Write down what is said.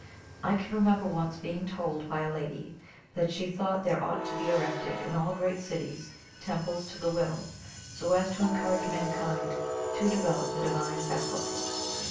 I can remember once being told by a lady that she thought there ought to be erected in all great cities temples to the Will, so as to encourage mankind to develop the divine faculty.